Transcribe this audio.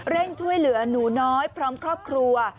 ช่วยเหลือหนูน้อยพร้อมครอบครัว